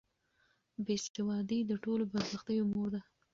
بې سوادي د ټولو بدبختیو مور ده.